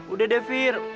udah deh fir